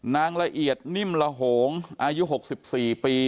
นางละเอียดนิ่มละโหงอายุ๖๔ปี